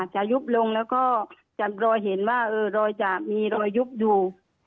จะยุบลงแล้วก็จะรอเห็นว่ารอยจะมีรอยยุบอยู่